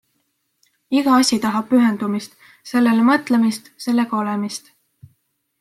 Iga asi tahab pühendumist, sellele mõtlemist, sellega olemist.